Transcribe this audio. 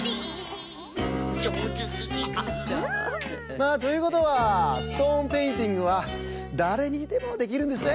まあということはストーンペインティングはだれにでもできるんですね。